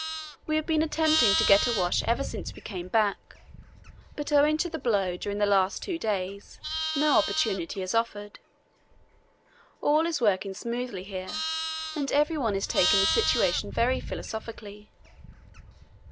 We have been attempting to get a wash ever since we came back, but owing to the blow during the last two days no opportunity has offered. All is working smoothly here, and every one is taking the situation very philosophically.